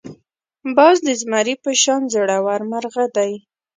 باز د زمري په شان زړور مرغه دی